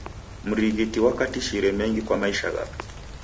Mrighiti wakatishire mengi kwa maisha ghape.